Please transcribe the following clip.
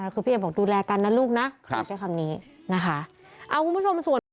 คือพี่เอบอกดูแลกันนะลูกนะใช้คำนี้นะคะ